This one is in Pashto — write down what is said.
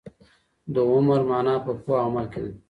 د عمر مانا په پوهه او عمل کي ده.